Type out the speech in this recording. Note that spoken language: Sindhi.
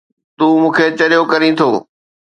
تون مون کي چريو ڪرين ٿو